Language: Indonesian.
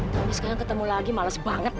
tapi sekarang ketemu lagi males banget